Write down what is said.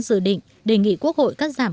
dự định đề nghị quốc hội cắt giảm